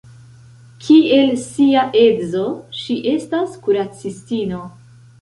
Kiel sia edzo, ŝi estas kuracistino.